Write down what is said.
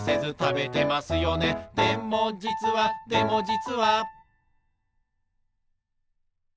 「でもじつはでもじつは」